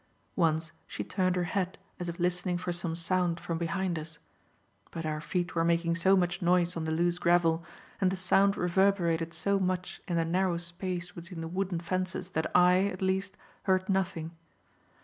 Once she turned her head as if listening for some sound from behind us, but our feet were making so much noise on the loose gravel, and the sound reverberated so much in the narrow space between the wooden fences that I, at least, heard nothing.